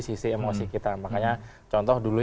sisi emosi kita makanya contoh dulu